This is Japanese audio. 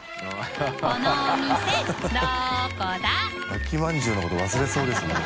焼きまんじゅうのこと忘れそうですね。